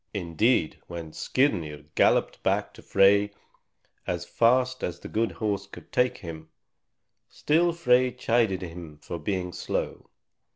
Indeed, when Skirnir galloped back to Frey as fast as the good horse could take him, still Frey chided him for being slow.